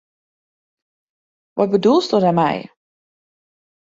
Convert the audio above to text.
Wat bedoelst dêrmei?